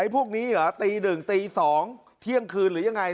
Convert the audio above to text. พวกนี้เหรอตี๑ตี๒เที่ยงคืนหรือยังไง